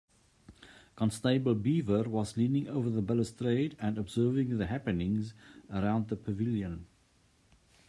Constable Beaver was leaning over the balustrade and observing the happenings around the pavilion.